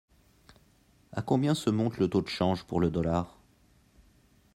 À combien se monte le taux de change pour le dollar ?